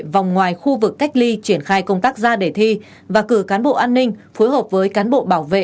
vòng ngoài khu vực cách ly triển khai công tác ra đề thi và cử cán bộ an ninh phối hợp với cán bộ bảo vệ